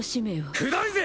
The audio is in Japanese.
くどいぜ！